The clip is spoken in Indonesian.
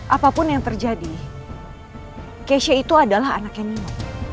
apapun yang terjadi keisha itu adalah anaknya nino